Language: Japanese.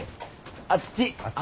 あっちあっち。